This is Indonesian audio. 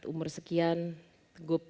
umur sekian gue